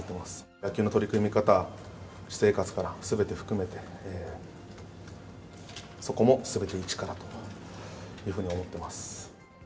野球の取り組み方、私生活からすべて含めて、そこもすべて一からだというふうに思っています。